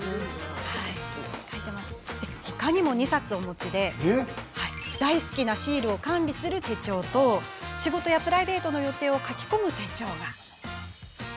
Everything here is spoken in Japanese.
他にも２冊をお持ちで大好きなシールを管理する手帳と仕事やプライベートの予定を書き込む手帳。